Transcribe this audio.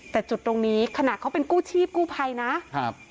แต่จุดตรงนี้ขนาดเขาเป็นกู้ชีพกู้ภัยนะครับ